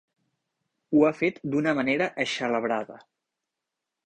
Ho ha fet d'una manera eixelebrada.